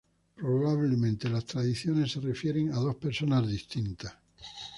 Probablemente las tradiciones se refieren a dos personas distintas.